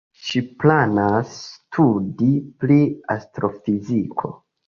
Ŝi planas studi pri astrofiziko.